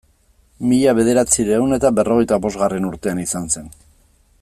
Mila bederatziehun eta berrogeita bosgarren urtean izan zen.